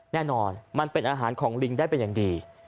แน่นอนมันเป็นอาหารของลิงได้เป็นอย่างดี